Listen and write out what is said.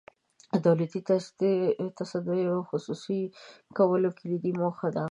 د دولتي تصدیو خصوصي کول کلیدي موخه ده.